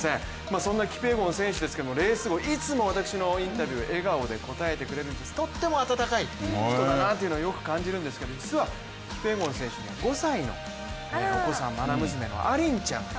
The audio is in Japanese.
そんなキピエゴン選手ですけどもレース後、いつも私のインタビューに笑顔で答えてくれるんですとっても温かい人だなとよく感じるんですけど実はキピエゴン選手、５歳のまな娘のアリンちゃん。